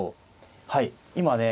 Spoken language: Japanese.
はい今ね